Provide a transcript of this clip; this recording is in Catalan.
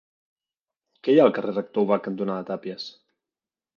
Què hi ha al carrer Rector Ubach cantonada Tàpies?